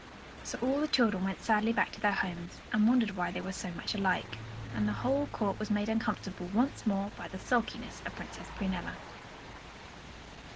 So all the children went sadly back to their homes, and wondered why they were so much alike; and the whole court was made uncomfortable once more by the sulkiness of Princess Prunella.